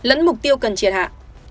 lẫn mục tiêu cần triệt hạ